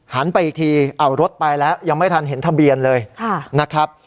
ไปอีกทีเอารถไปแล้วยังไม่ทันเห็นทะเบียนเลยนะครับ